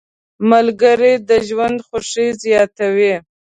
ملګري د ژوند خوښي زیاته وي.